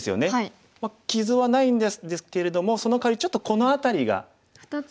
傷はないんですけれどもそのかわりちょっとこの辺りが。